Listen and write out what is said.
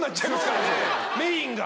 メインが。